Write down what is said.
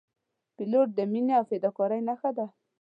پیلوټ د مینې او فداکارۍ نښه ده.